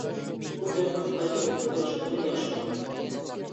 بۇ گەپنىڭ قايتا ئوتتۇرىغا چىققىنى ياخشى بولدى.